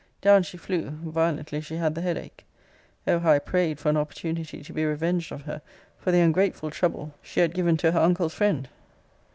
Down she flew, violently as she had the head ache! O how I prayed for an opportunity to be revenged of her for the ungrateful trouble she had given to her uncle's friend!